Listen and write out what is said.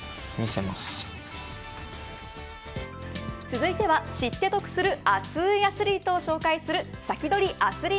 続いては知って得する熱いアスリートを紹介するサキドリ！